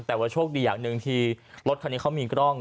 แต่ว่าโชคดีอย่างหนึ่งที่รถคันนี้เขามีกล้อง